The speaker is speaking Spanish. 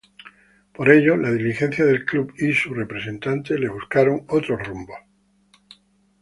Por ello la dirigencia del club y su representante le buscaron otros rumbos.